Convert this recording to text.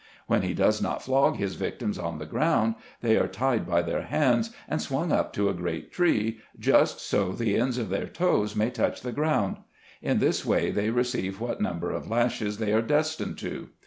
When he does not flog his victims on the ground, they are tied by their hands, and swung up to a great tree, just so the ends of their toes may touch the ground. In this way, they receive what number of lashes they are destined to.